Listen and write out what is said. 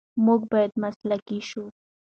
موږ باید مسلکي شو.